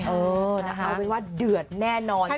เออนะคะเอาเป็นว่าเดือดแน่นอน